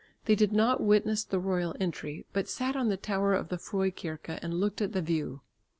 They did not witness the royal entry, but sat on the tower of the Fruekirke and looked at the view.